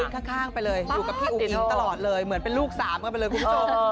ข้างไปเลยอยู่กับพี่อุ้งอิ๊งตลอดเลยเหมือนเป็นลูกสามกันไปเลยคุณผู้ชม